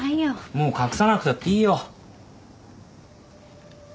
もう隠さなくたっていいよ。